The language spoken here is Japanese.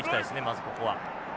まずここは。